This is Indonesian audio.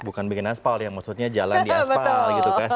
bukan bikin aspal ya maksudnya jalan di aspal gitu kan